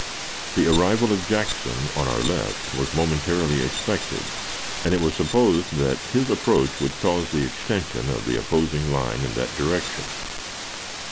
The arrival of Jackson on our left was momentarily expected, and it was supposed that his approach would cause the extension of the opposing line in that direction.